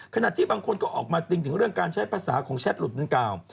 ขณะที่บางคนก็ออกมาติ้งถึงเรื่องการใช้ภาษาของแชทหลุดดังกล่าว